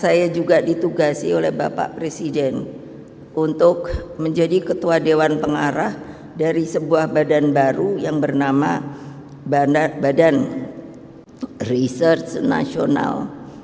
saya juga ditugasi oleh bapak presiden untuk menjadi ketua dewan pengarah dari sebuah badan baru yang bernama badan research nasional